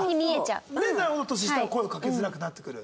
でなるほど年下は声をかけづらくなってくる。